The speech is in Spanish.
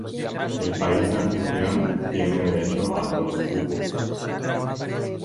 El país anfitrión tiene derecho a dos cupos.